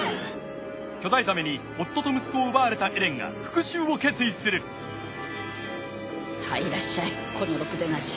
巨大ザメに夫と息子を奪われたエレンが復讐を決意するさぁいらっしゃいこのろくでなし。